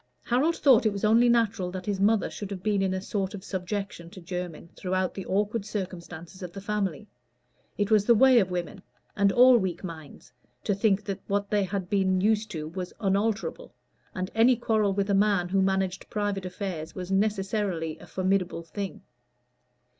Harold thought it was only natural that his mother should have been in a sort of subjection to Jermyn throughout the awkward circumstances of the family. It was the way of women, and all weak minds, to think that what they had been used to was unalterable, and any quarrel with a man who managed private affairs was necessarily a formidable thing.